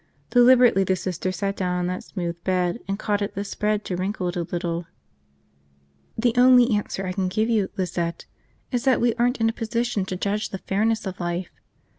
Deliberately the Sister sat down on that smooth bed and caught at the spread to wrinkle it a little. "The only answer I can give you, Lizette, is that we aren't in a position to judge the fairness of life.